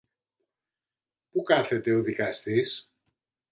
Πού κάθεται ο δικαστής;